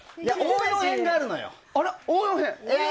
応用編があるのよ。